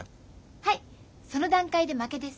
はいその段階で負けです。